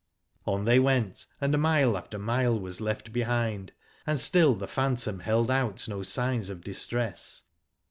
On they went, and mile after mile was left behind, and still the phantom held out no signs of distress.